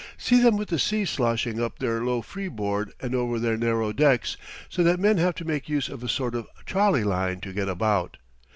See them with the seas sloshing up their low freeboard and over their narrow decks, so that men have to make use of a sort of trolley line to get about.